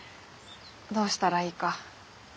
どうしたらいいか。